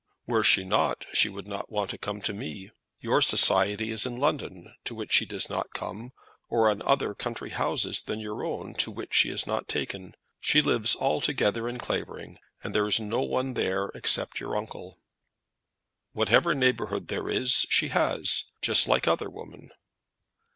"Were she not, she would not want to come to me. Your society is in London, to which she does not come, or in other country houses than your own, to which she is not taken. She lives altogether at Clavering, and there is no one there, except your uncle." "Whatever neighbourhood there is she has, just like other women."